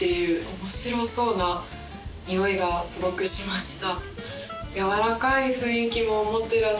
面白そうなにおいがすごくしました。